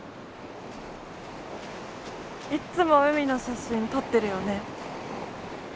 いっつも海の写真撮ってるよね。